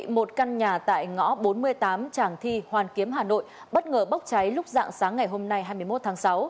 một căn nhà tại ngõ bốn mươi tám tràng thi hoàn kiếm hà nội bất ngờ bốc cháy lúc dạng sáng ngày hôm nay hai mươi một tháng sáu